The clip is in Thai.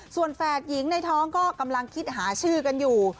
ส่วนแฝดหญิงในท้องก็กำลังคิดหาชื่อกันอยู่